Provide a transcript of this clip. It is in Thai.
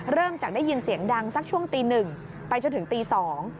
เริ่มจากได้ยินเสียงดังสักช่วงตีหนึ่งไปจนถึงตีสอง